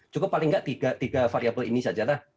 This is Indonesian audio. cukup paling nggak tiga variable ini saja lah